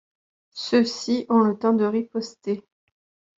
Ceux-ci ont le temps de riposter.